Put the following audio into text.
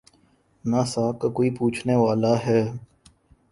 نہ ساکھ کا کوئی پوچھنے والا ہے۔